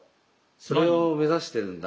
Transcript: それを目指してるんだ。